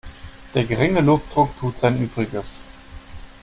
Der geringe Luftdruck tut sein Übriges.